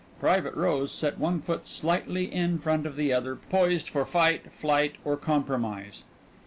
Private Rose set one foot slightly in front of the other, poised for fight, flight, or compromise.